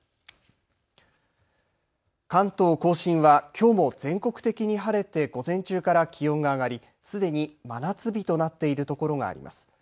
関東甲信はきょうも全国的に晴れて午前中から気温が上がりすでに真夏日となっているところがあります。